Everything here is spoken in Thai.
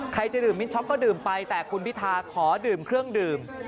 ใครจะดื่มมิ้นช็อกก็ดื่มไปแต่คุณพิธาขอดื่มเครื่องดื่ม